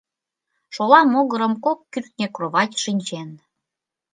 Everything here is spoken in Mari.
Шола могырым кок кӱртньӧ кровать шинчен.